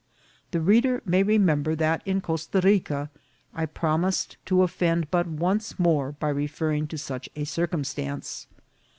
The reader may re member that in Costa Rica I promised to offend but once more by referring to such a circumstance.